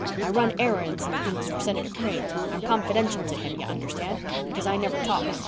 I run errands and things for Senator Crane. I'm confidential to him, you understand, because I never talk.